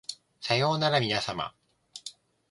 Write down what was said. さようならみなさま